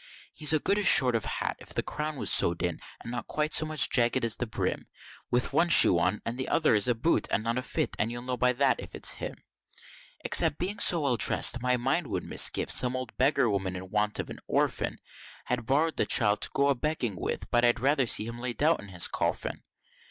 He'd a goodish sort of hat, If the crown was sew'd in, and not quite so much jagg'd at the brim, With one shoe on, and the other shoe is a boot, and not a fit, and, you'll know by that if it's him. Except being so well dress'd, my mind would misgive, some old beggar woman in want of an orphan, Had borrow'd the child to go a begging with, but I'd rather see him laid out in his coffin!